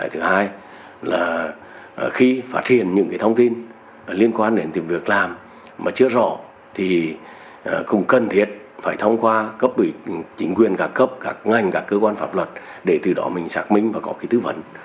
thứ hai là khi phát hiện những thông tin liên quan đến việc làm mà chưa rõ thì cũng cần thiết phải thông qua cấp ủy chính quyền các cấp các ngành các cơ quan pháp luật để từ đó mình xác minh và có cái tư vấn